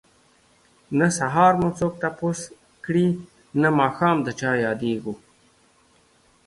نه سهار مو څوک تپوس کړي نه ماښام د چا ياديږو